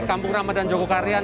kampung ramadan jogokarian